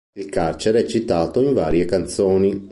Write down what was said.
Il carcere è citato in varie canzoni.